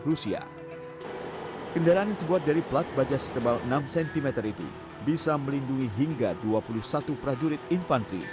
kendaraan yang terbuat dari plat baja setebal enam cm itu bisa melindungi hingga dua puluh satu prajurit infanteri